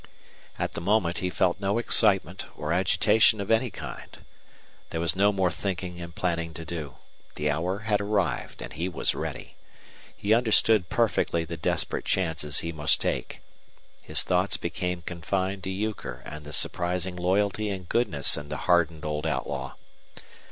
At the moment he felt no excitement or agitation of any kind. There was no more thinking and planning to do. The hour had arrived, and he was ready. He understood perfectly the desperate chances he must take. His thoughts became confined to Euchre and the surprising loyalty and goodness in the hardened old outlaw.